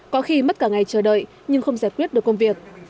có khi mất cả ngày chờ đợi nhưng không giải quyết được công việc